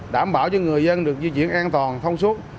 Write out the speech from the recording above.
đảm bảo cho người dân được di chuyển an toàn thông suốt